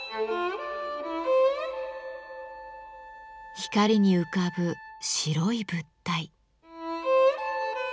光に浮かぶ白い物体。